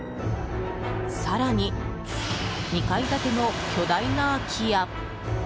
更に、２階建ての巨大な空き家。